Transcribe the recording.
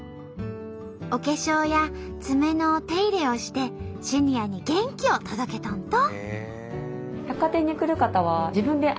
お化粧や爪のお手入れをしてシニアに元気を届けとんと！